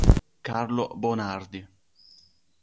Carlo Bonardi